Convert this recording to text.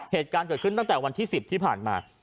เหตุการณ์เกิดขึ้นตั้งแต่วันที่๑๐ที่ผ่านมา